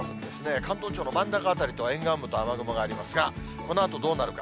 関東地方の真ん中辺りと沿岸部と、雨雲がありますが、このあとどうなるか。